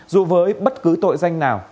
dù với bất cứ tội danh nào